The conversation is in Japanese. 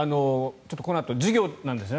このあと、授業なんですね。